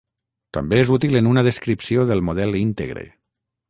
També és útil en una descripció del model íntegre.